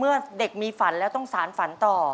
เมื่อเด็กมีฝันแล้วต้องสารฝันต่อ